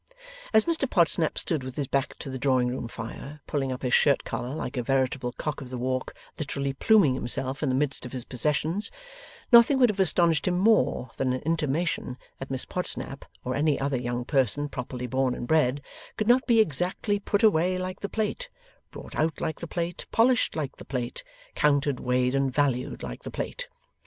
As Mr Podsnap stood with his back to the drawing room fire, pulling up his shirtcollar, like a veritable cock of the walk literally pluming himself in the midst of his possessions, nothing would have astonished him more than an intimation that Miss Podsnap, or any other young person properly born and bred, could not be exactly put away like the plate, brought out like the plate, polished like the plate, counted, weighed, and valued like the plate.